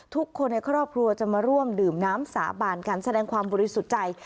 ทุกคนในครอบครัวจะมาร่วมดื่มน้ำสาบานกันแสดงความบริสุทธิ์ใจ